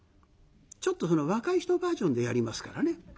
ちょっとその若い人バージョンでやりますからね。